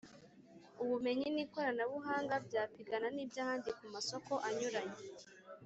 ubumenyi n'ikoranabuhanga byapigana n'iby'ahandi ku masoko anyuranye.